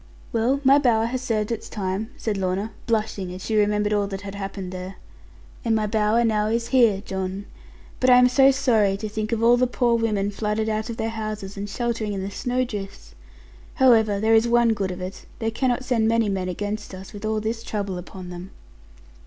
'Well, my bower has served its time', said Lorna, blushing as she remembered all that had happened there; 'and my bower now is here, John. But I am so sorry to think of all the poor women flooded out of their houses and sheltering in the snowdrifts. However, there is one good of it: they cannot send many men against us, with all this trouble upon them.'